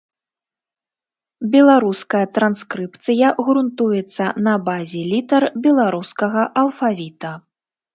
Беларуская транскрыпцыя грунтуецца на базе літар беларускага алфавіта.